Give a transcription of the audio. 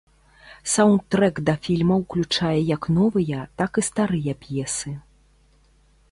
Саўндтрэк да фільма ўключае як новыя, так і старыя п'есы.